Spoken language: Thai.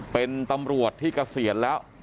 เป็นตำรวจที่กระเสียแล้ว